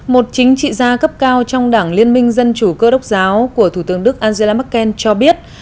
một chính trị gia cấp cao trong đảng liên minh dân chủ cơ đốc giáo của thủ tướng đức angela merkel cho biết